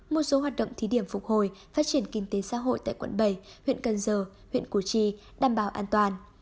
một số hoạt động thí điểm phục hồi phát triển kinh tế xã hội tại quận bảy huyện cần giờ huyện củ chi đảm bảo an toàn